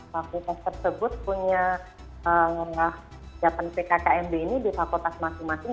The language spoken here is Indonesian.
fakultas tersebut punya japan pkkmb ini di fakultas masing masing